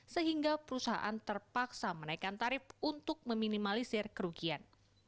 sehingga perusahaan terpaksa menaikkan tarif untuk meminimalisir kerugian